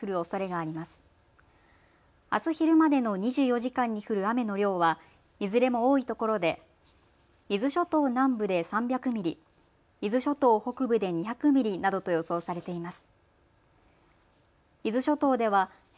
あす昼までの２４時間に降る雨の量はいずれも多いところで伊豆諸島南部で３００ミリ、伊豆諸島北部で２００ミリなどと予想されています。